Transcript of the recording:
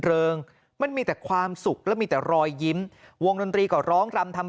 เริงมันมีแต่ความสุขและมีแต่รอยยิ้มวงดนตรีก็ร้องรำทำ